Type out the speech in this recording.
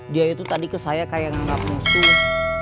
dia itu tadi ke saya kayak nganggap musuh